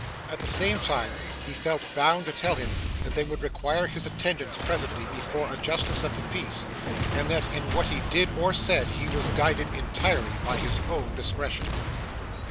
At the same time he felt bound to tell him that they would require his attendance, presently, before a justice of the peace, and that in what he did or said, he was guided entirely by his own discretion.